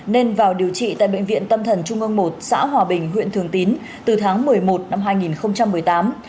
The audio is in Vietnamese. nên vào điều trị tại bệnh viện tâm thần trung ương một xã hòa bình huyện thường tín từ tháng một mươi một năm hai nghìn một mươi tám